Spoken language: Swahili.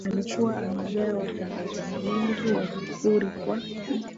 alikuwa amejaa wasambazaji wengi wa vipuri kwa